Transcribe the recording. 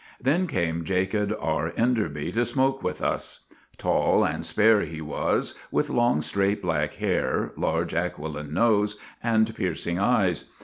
Then came Jacob R. Enderby to smoke with us. Tall and spare he was, with long, straight, black hair, large, aquiline nose, and piercing eyes.